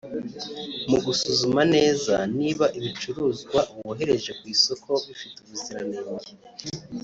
Mu gusuzuma neza niba ibicuruzwa bohereje ku isoko bifite ubuziranenge